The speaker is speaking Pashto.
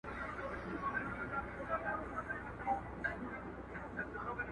همدا فشار د دې ټولو کړنو تر شا اصلي ځواک ګرځي،